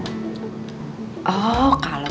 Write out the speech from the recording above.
udah ke kamar dulu